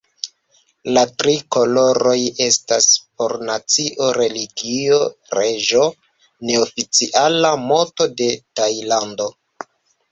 La tri koloroj estas por nacio-religio-reĝo, neoficiala moto de Tajlando.